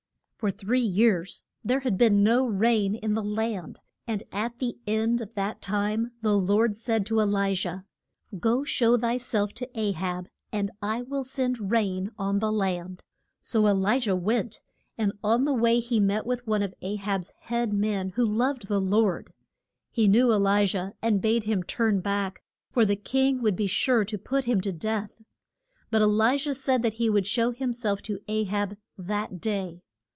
For three years there had been no rain in the land, and at the end of that time the Lord said to E li jah, Go show thy self to A hab, and I will send rain on the land. So E li jah went, and on the way he met with one of A hab's head men, who loved the Lord. He knew E li jah, and bade him turn back, for the king would be sure to put him to death. But E li jah said that he would show him self to A hab that day.